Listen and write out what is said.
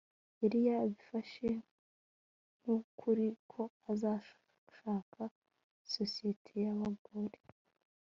yari yabifashe nk'ukuri ko azashaka sosiyete y'abagore